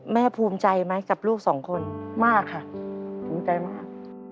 ภูมิใจไหมกับลูกสองคนมากค่ะภูมิใจมาก